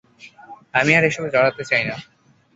আমি আর এসবে জড়াতে চাইনা।